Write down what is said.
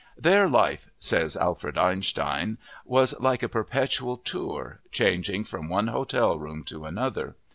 _"Their life," says Alfred Einstein, "was like a perpetual tour, changing from one hotel room to another....